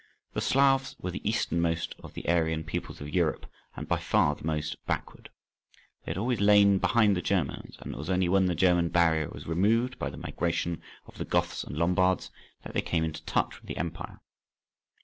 The Slavs were the easternmost of the Aryan peoples of Europe, and by far the most backward. They had always lain behind the Germans, and it was only when the German barrier was removed by the migration of the Goths and Lombards that they came into touch with the empire.